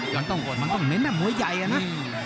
มันต้องเน้นหน้าหัวใหญ่นะ